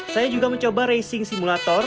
saya juga mencoba racing simulator